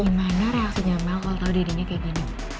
gimana reaksinya mel kalo tau dadinya kayak gini